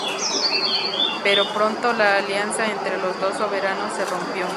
Pero pronto la alianza entre los dos soberanos se rompió.